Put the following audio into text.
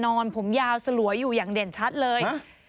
นอนผมยาวสลวยอยู่อย่างเด่นชัดเลย